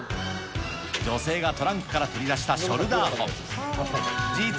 女性がトランクから取り出したショルダーホン。